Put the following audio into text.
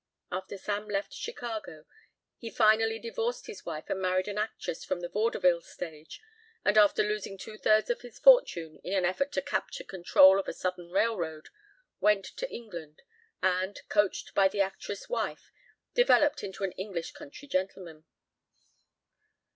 After Sam left Chicago he finally divorced his wife and married an actress from the vaudeville stage and after losing two thirds of his fortune in an effort to capture control of a southern railroad, went to England and, coached by the actress wife, developed into an English country gentleman.